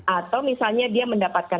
atau misalnya dia mendapatkan